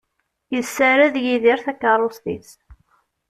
Yessared Yidir takerrust-is.